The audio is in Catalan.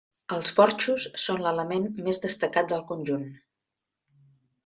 Els porxos són l'element més destacat del conjunt.